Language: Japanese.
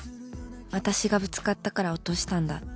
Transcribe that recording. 「わたしがぶつかったから落としたんだ」